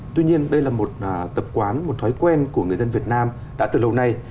tuy nhiên đây là một tập quán một thói quen của người dân việt nam đã từ lâu nay